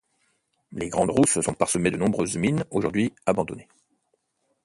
Les Grandes Rousses sont parsemées de nombreuses mines aujourd'hui abandonnées.